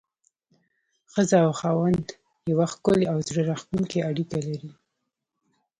ښځه او خاوند يوه ښکلي او زړه راښکونکي اړيکه لري.